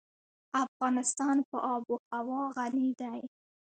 افغانستان په آب وهوا غني دی.